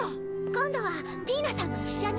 今度はピイナさんも一緒に。